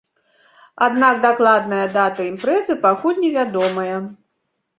Аднак дакладная дата імпрэзы пакуль невядомая.